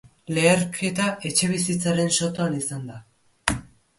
Leherketa etxebizitzaren sotoan izan da.